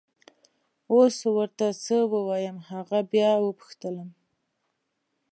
اوس ور ته څه ووایم! هغه بیا وپوښتلم.